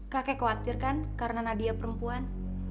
kakek khawatir kan karena nadia perempuan